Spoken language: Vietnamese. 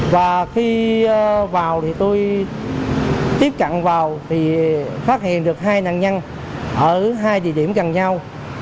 và khi vào thì tôi tiếp cận vào thì phát hiện được hai nạn nhân ở hai địa điểm gần nhau